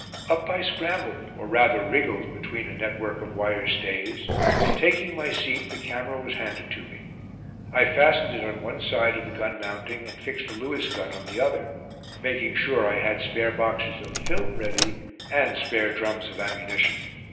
Up I scrambled, or rather wriggled, between a network of wire stays, and taking my seat the camera was handed to me. I fastened it on one side of the gun mounting and fixed a Lewis gun on the other, making sure I had spare boxes of film ready, and spare drums of ammunition.